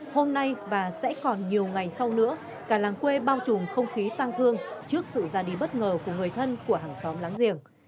hôm nay và sẽ còn nhiều ngày sau nữa cả làng quê bao trùm không khí tăng thương trước sự ra đi bất ngờ của người thân của hàng xóm láng giềng